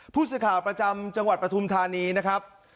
ผู้สื่อข่าวประจำจังหวัดปฐุมธานีนะครับ